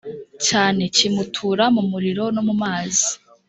cyane kimutura mu muriro no mu mazi